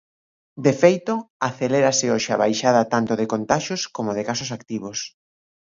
De feito, acelérase hoxe a baixada tanto de contaxios como de casos activos.